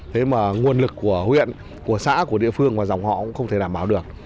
thế mà nguồn lực của huyện của xã của địa phương và dòng họ cũng không thể đảm bảo được